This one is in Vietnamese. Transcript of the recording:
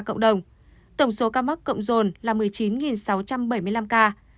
trong ngày địa phương đã có hai trăm hai mươi năm ca cộng đồng tổng số ca mắc cộng dồn là một mươi chín sáu trăm bảy mươi năm ca